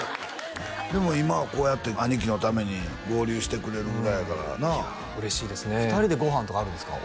でも今はこうやって兄貴のために合流してくれるぐらいやからなあ嬉しいですね２人でご飯とかあるんですか？